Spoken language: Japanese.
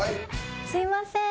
すいません。